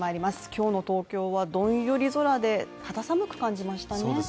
今日の東京は、どんより空で肌寒く感じましたね。